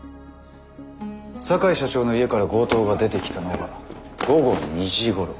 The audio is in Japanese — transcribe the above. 坂井社長の家から強盗が出てきたのが午後２時ごろ。